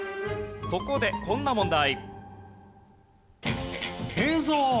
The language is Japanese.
そこでこんな問題。